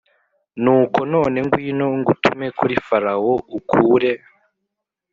Nuko none ngwino ngutume kuri Farawo ukure